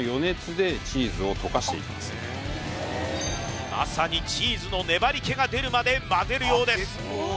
まさにチーズの粘り気が出るまでまぜるようです